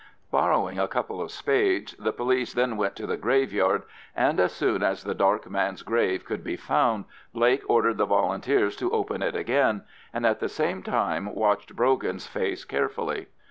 Borrowing a couple of spades, the police then went to the graveyard, and as soon as the dark man's grave could be found, Blake ordered the Volunteers to open it again, and at the same time watched Brogan's face carefully.